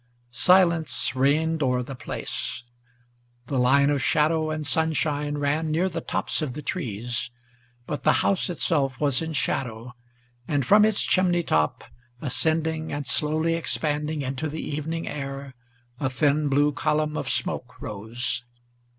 Silence reigned o'er the place. The line of shadow and sunshine Ran near the tops of the trees; but the house itself was in shadow, And from its chimney top, ascending and slowly expanding Into the evening air, a thin blue column of smoke rose.